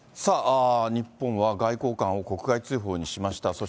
日本は外交官を国外追放にしました。